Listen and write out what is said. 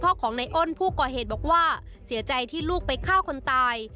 ของในอ้นผู้ก่อเหตุบอกว่าเสียใจที่ลูกไปฆ่าคนตาย